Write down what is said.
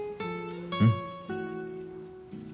うん！